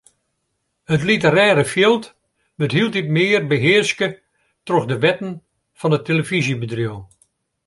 It literêre fjild wurdt hieltyd mear behearske troch de wetten fan it telefyzjebedriuw.